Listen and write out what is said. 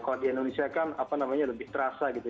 kalau di indonesia kan apa namanya lebih terasa gitu